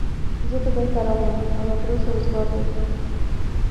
زه دبۍ ته راغلم او لا تر اوسه وزګار ګرځم.